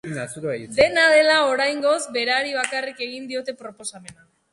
Dena dela, oraingoz, berari bakarrik egin diote proposamena.